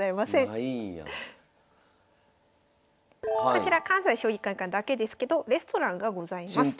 こちら関西将棋会館だけですけどレストランがございます。